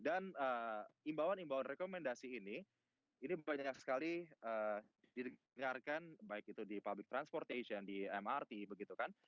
dan imbauan imbauan rekomendasi ini ini banyak sekali didengarkan baik itu di public transportation di mrt begitu kan